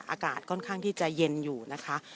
อากาศค่อนข้างที่จะเย็นอยู่นะคะ